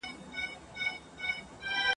هر سړی یې تر نظر پک او پمن وي ..